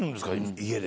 家で。